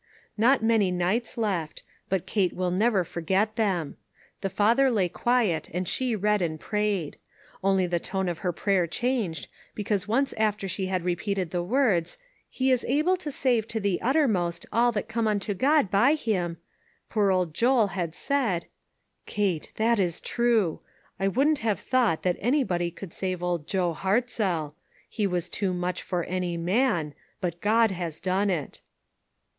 Not many nights left, but Kate will never forget them. The father lay quiet, and she read and prayed. Only the tone of her prayer changed, because once after she had repeated the words, "He is able to save to the uttermost all that come unto God by him," poor old Joel had said: " Kate, that is true. I wouldn't have thought that anybody could save old Joe Hartzell ; he was too much for any man, but God has done it."